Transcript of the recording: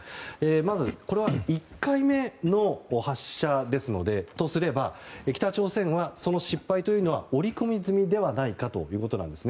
まずこれは１回目の発射とすれば北朝鮮はその失敗というのは織り込み済みではないかということです。